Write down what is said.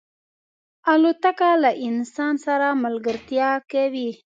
الوتکه له انسان سره ملګرتیا کوي.